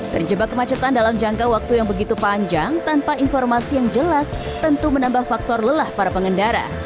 terjebak kemacetan dalam jangka waktu yang begitu panjang tanpa informasi yang jelas tentu menambah faktor lelah para pengendara